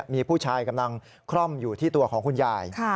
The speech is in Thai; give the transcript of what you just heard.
มีผู้ชายกำลังคร่อมอยู่ที่ตัวของคุณยาย